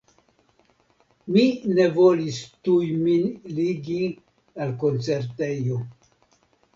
Mi ne volis tuj min ligi al koncertejo.